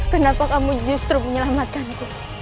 kenapa kamu justru menyelamatkanku